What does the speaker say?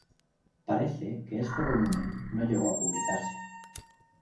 Parece que este volumen no llegó a publicarse.